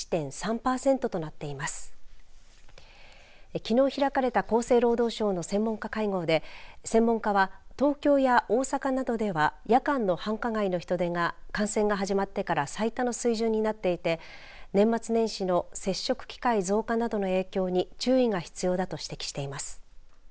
きのう開かれた厚生労働省の専門家会合で専門家は東京や大阪などでは夜間の繁華街の人出が感染が始まってから最多の水準になっていて年末年始の接触機会増加などの影響に注意が必要だと指摘しています。